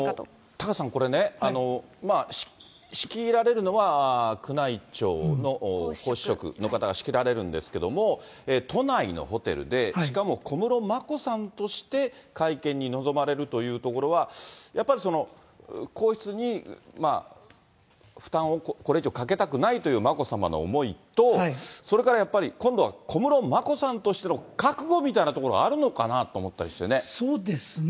タカさん、これね、仕切られるのは宮内庁の皇嗣職の方が仕切られるんですけれども、都内のホテルで、しかも小室眞子さんとして会見に臨まれるというところは、やっぱりその、皇室に負担をこれ以上かけたくないという眞子さまの思いと、それからやっぱり、今度は小室眞子さんとしての覚悟みたいなところがあるのかなと思そうですね。